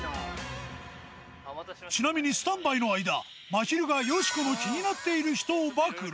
ちなみに、スタンバイの間、まひるがよしこの気になっている人を暴露。